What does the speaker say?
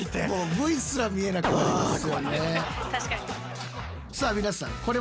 Ｖすら見えなくなりますよね。